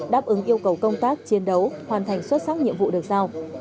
đáp ứng yêu cầu công tác chiến đấu hoàn thành xuất sắc nhiệm vụ được giao